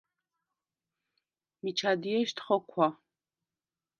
მიჩა დიეშდ ხოქვა: